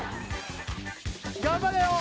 頑張れよ